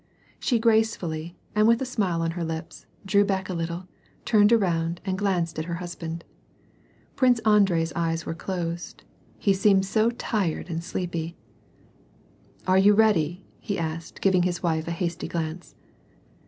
She gracefully, and with a smile on her lips, drew back a little, turned around and glanced at her husband. Prince Andrei's eyes were closed ; he seemed so tired and sleepy !" Are you ready ?" he asked, giving his wife a hasty glance.